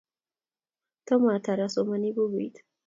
Tomo atar asoman bukuit